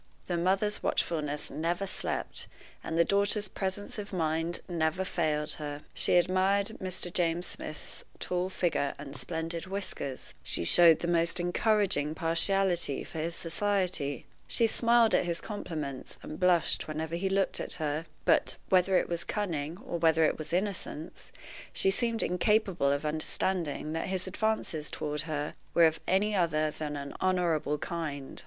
The mother's watchfulness never slept, and the daughter's presence of mind never failed her. She admired Mr. James Smith's tall figure and splendid whiskers; she showed the most encouraging partiality for his society; she smiled at his compliments, and blushed whenever he looked at her; but, whether it was cunning or whether it was innocence, she seemed incapable of understanding that his advances toward her were of any other than an honorable kind.